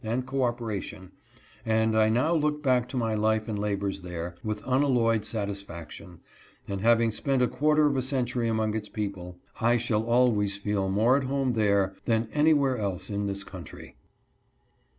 and cooperation, and I now look back to my life and labors there with unalloyed satisfaction, and having spent a quarter of a century among its people, I shall always feel more at home there than anywhere else in this country.